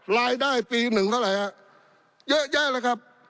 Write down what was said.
รายได้ปีหนึ่งเท่าไหร่ฮะเยอะแยะเลยครับ